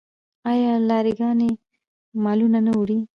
آیا لاری ګانې مالونه نه وړي؟